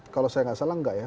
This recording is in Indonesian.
kalau saya nggak salah enggak ya